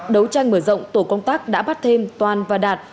đấu tranh mở rộng tổ công tác đã bắt thêm toàn và đạt